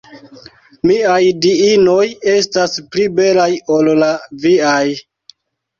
Miaj Diinoj estas pli belaj ol la viaj.